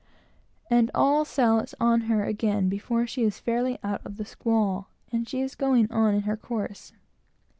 and all sail is on her again before she is fairly out of the squall; and she is going on in her course.